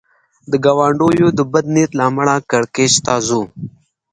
د ګاونډیو د بد نیت له امله کړکېچ ته ځو.